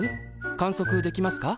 観測できますか？